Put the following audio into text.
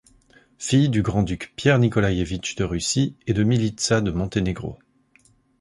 Fille du grand-duc Pierre Nicolaevitch de Russie et de Militza de Monténégro.